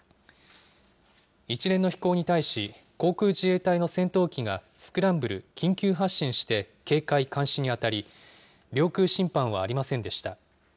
一連の飛行に対し、航空自衛隊の戦闘機がスクランブル・緊急発進して警戒・監視に当たり、領空侵犯はありませんでした。